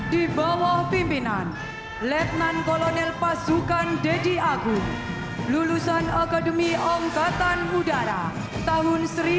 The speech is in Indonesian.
di bawah pimpinan letnan kolonel pasukan deddy agung lulusan akademi angkatan udara tahun seribu sembilan ratus sembilan puluh